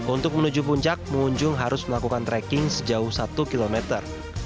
untuk menuju puncak pengunjung harus melakukan tracking sejauh satu kilometer